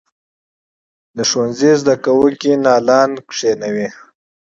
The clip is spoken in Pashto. د ښوونځي زده کوونکي نیالګي کینوي؟